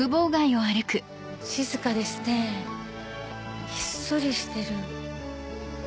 静かですねひっそりしてる。